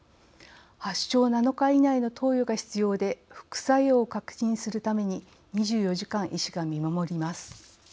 発症７日以内の投与が必要で副作用を確認するために２４時間医師が見守ります。